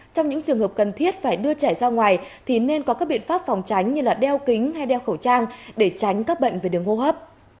trong những trường hợp cần thiết phải đưa trẻ ra ngoài thì nên có các biện pháp phòng tránh như đeo kính hay đeo khẩu trang để tránh các bệnh về đường hô hấp